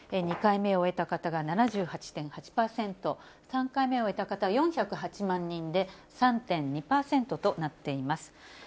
２回目を終えた方が７８．８％、３回目を終えた方、４０８万人で、３．２％となっています。